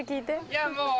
いやもう。